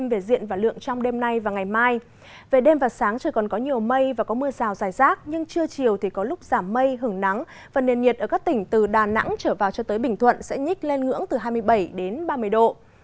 về đêm và sáng trời còn có nhiều mây và có mưa rào dài rác nhưng trưa chiều thì có lúc giảm mây hứng nắng và nền nhiệt ở các tỉnh từ đà nẵng trở vào cho tới bình thuận sẽ nhích lên ngưỡng từ hai mươi bảy đến ba mươi độ